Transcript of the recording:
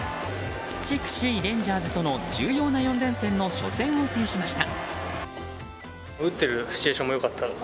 地区首位レンジャーズとの重要な４連戦の初戦を制しました。